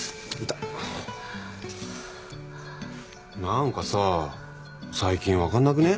何かさ最近分かんなくね？